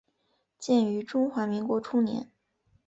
建于中华民国初年。